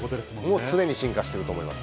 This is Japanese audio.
もう常に進化してると思います。